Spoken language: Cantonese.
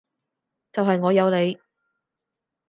就係我有你